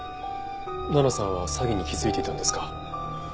奈々さんは詐欺に気づいていたんですか？